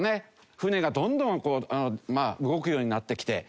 船がどんどんこうまあ動くようになってきて。